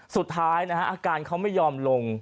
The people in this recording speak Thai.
สุดท้ายนะฮะอาการเขาไม่ยอมลง